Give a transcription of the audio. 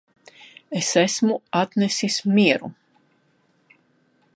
Es esmu atnesis mieru